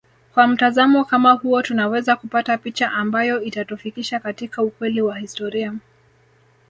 Kwa mtazamo kama huo tunaweza kupata picha ambayo itatufikisha katika ukweli wa historia